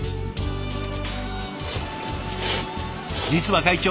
実は会長